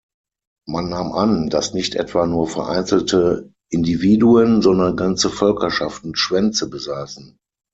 Man nahm an, dass nicht etwa nur vereinzelte Individuen, sondern ganze Völkerschaften Schwänze besäßen.